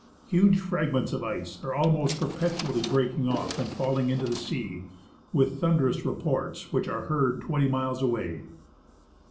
Huge fragments of ice are almost perpetually breaking ofl" and falling into the sea with thunderous reports which are heard twenty miles away.